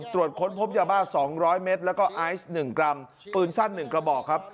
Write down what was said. ตรวจค้นพบยาบ้า๒๐๐เมตรแล้วก็ไอซ์๑กรัมปืนสั้น๑กระบอกครับ